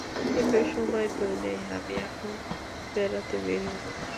কিন্তু সময় তো নেই, আমি এখন বেড়াতে বের হব।